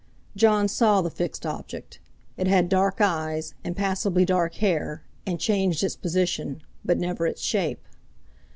Jon saw the fixed object; it had dark eyes and passably dark hair, and changed its position, but never its shape.